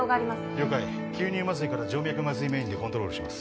了解吸入麻酔から静脈麻酔メインでコントロールします